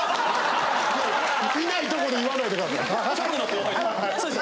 いない所で言わないで下さい。